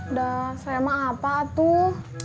udah selama apa tuh